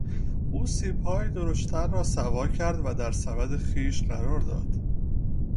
او سیبهای درشتتر را سوا کرد و در سبد خویش قرار داد.